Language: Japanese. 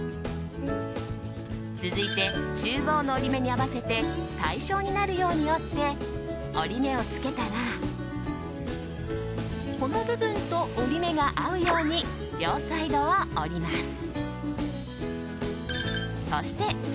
続いて中央の折り目に合わせて対象になるように折って折り目をつけたらこの部分と折り目が合うように両サイドを折ります。